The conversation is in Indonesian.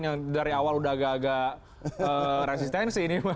yang dari awal udah agak agak resistensi ini